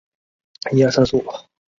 三春町是位于福岛县田村郡的一町。